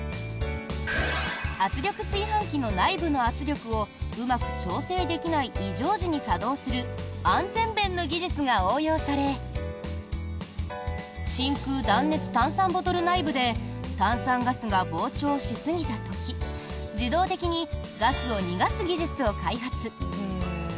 圧力炊飯器の内部の圧力をうまく調整できない異常時に作動する安全弁の技術が応用され真空断熱炭酸ボトル内部で炭酸ガスが膨張しすぎた時自動的にガスを逃がす技術を開発。